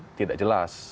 makin tidak jelas